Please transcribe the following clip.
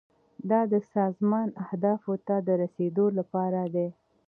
دا د سازمان اهدافو ته د رسیدو لپاره دی.